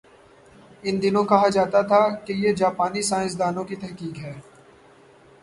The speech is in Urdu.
ان دنوں کہا جاتا تھا کہ یہ جاپانی سائنس دانوں کی تحقیق ہے۔